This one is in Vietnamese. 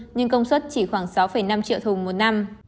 nhưng công suất chỉ khoảng sáu năm triệu thùng một năm